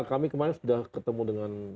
kami kemarin sudah ketemu dengan